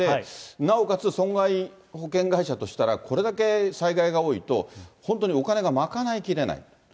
なおかつ損害保険会社としたらこれだけ災害が多いと、本当にお金が賄いきれない。